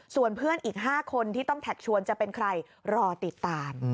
ส่วนเพื่อนอีก๕คนที่ต้องแท็กชวนจะเป็นใครรอติดตาม